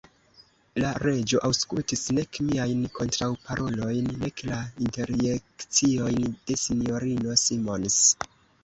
La Reĝo aŭskultis nek miajn kontraŭparolojn, nek la interjekciojn de S-ino Simons.